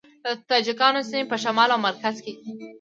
د تاجکانو سیمې په شمال او مرکز کې دي